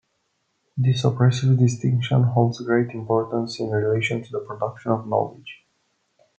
This oppressive distinction holds great importance in relation to the production of knowledge.